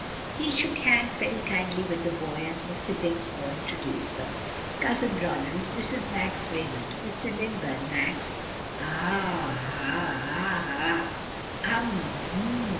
He shook hands very kindly with the boy as Mr. Dinsmore introduced them, "Cousin Ronald this is Max Raymond Mr. Lilburn, Max." "Ah ha, ah ha! um, h'm!